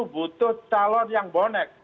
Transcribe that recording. butuh calon yang bonek